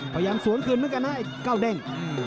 พยายามสวนคืนเหมือนกันนะไอ้เก้าเด้ง